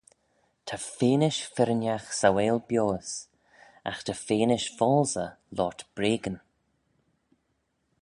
Ta feanish firrinagh sauail bioys: agh ta feanish foalsey loayrt breagyn.